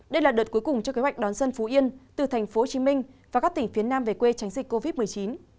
đây là đợt cuối cùng cho kế hoạch đón dân phú yên từ tp hcm và các tỉnh phía nam về quê tránh dịch covid một mươi chín